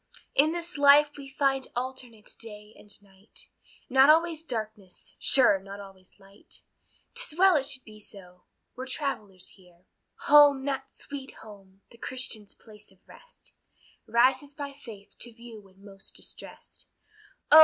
In this life we find alternate day and night, Not always darkness, sure not always light; 'Tis well it should be so, we're travellers here, Home, that "sweet home," the Christian's place of rest, Rises by faith to view when most distressed: Oh!